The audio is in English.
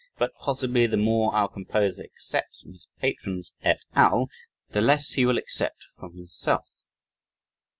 but possibly the more our composer accepts from his patrons "et al." the less he will accept from himself.